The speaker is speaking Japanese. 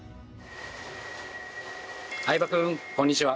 相葉君こんにちは。